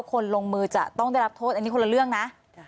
คนลงมือจะต้องได้รับโทษอันนี้คนละเรื่องนะ